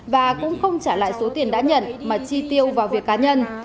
và cũng không trả lại số tiền đã nhận mà chi tiêu vào việc cá nhân